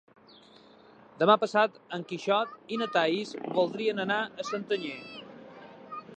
Demà passat en Quixot i na Thaís voldrien anar a Santanyí.